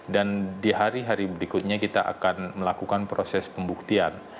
dan di hari hari berikutnya kita akan melakukan proses pembuktian